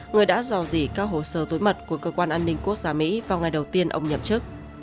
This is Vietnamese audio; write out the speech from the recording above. người đã dò dỉ các hồ sơ túi mật của cơ quan an ninh quốc gia mỹ vào ngày đầu tiên ông nhậm chức